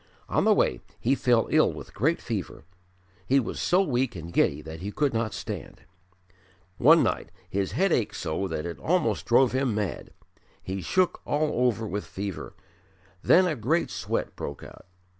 On the way he fell ill with great fever; he was so weak and giddy that he could not stand. One night his head ached so that it almost drove him mad; he shook all over with fever; then a great sweat broke out.